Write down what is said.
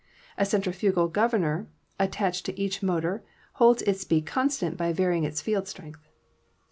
A centrifugal governor attached to each motor holds its speed constant by varying its field strength.